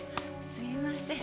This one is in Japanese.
すいません。